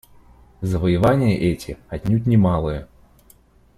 Завоевания эти отнюдь не малые.